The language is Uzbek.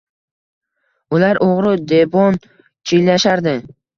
Ular o‘g‘ri debon chiyillashardi.